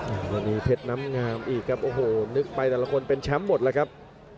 แล้วมีเพชรน้ำงามอีกครับโอ้โหนึกไปแต่ละคนเป็นแชมป์หมดแล้วครับ